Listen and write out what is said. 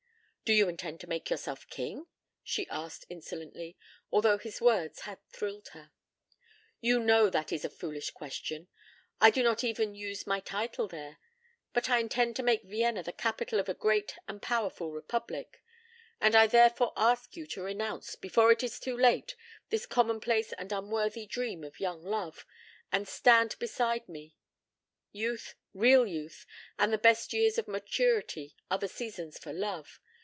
"Do you intend to make yourself king?" she asked insolently, although his words had thrilled her. "You know that is a foolish question. I do not even use my title there. But I intend to make Vienna the capital of a great and powerful Republic, and I therefore ask you to renounce, before it is too late, this commonplace and unworthy dream of young love, and stand beside me. Youth real youth and the best years of maturity are the seasons for love.